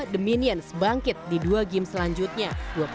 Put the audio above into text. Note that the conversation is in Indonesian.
the minions bangkit di dua game selanjutnya